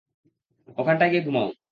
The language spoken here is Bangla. ওখানটায় গিয়ে ঘুমাও।